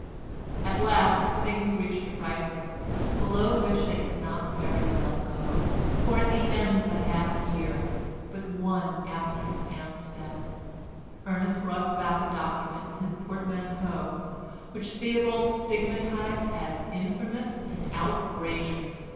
At last things reached a crisis, below which they could not very well go, for at the end of the half year but one after his aunt's death, Ernest brought back a document in his portmanteau, which Theobald stigmatised as "infamous and outrageous."